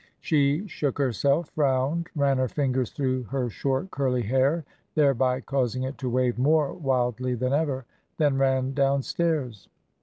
She shook herself, frowned, ran her fingers through her short, curly hair, thereby causing it to wave more wildly than ever then ran downstairs.